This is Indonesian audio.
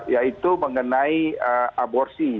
yaitu mengenai aborsi